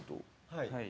はい。